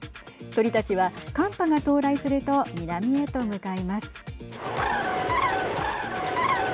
鳥たちは寒波が到来すると南へと向かいます。